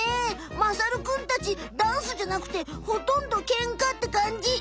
まさるくんたちダンスじゃなくてほとんどケンカってかんじ。